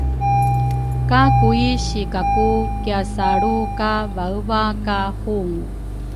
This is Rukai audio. ka Kui si Kaku kiasaalru ka vaeva ka hungu.